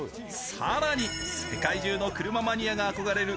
更に世界中の車マニアが憧れる